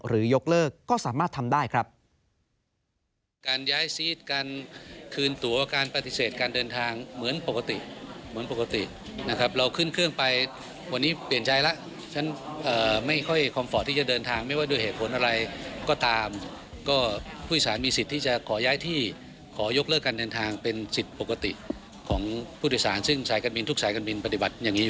ยกเลิกก็สามารถทำได้ครับ